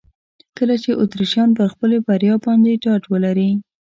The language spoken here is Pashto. کله چې اتریشیان پر خپلې بریا باندې ډاډ ولري.